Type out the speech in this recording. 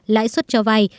lãi suất cho vai